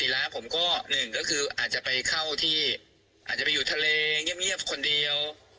อย่างผู้เสรีพี่สุดเนี่ย